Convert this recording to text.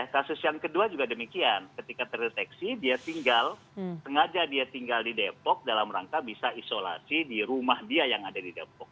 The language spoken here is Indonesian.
kasus yang kedua juga demikian ketika terdeteksi dia tinggal sengaja dia tinggal di depok dalam rangka bisa isolasi di rumah dia yang ada di depok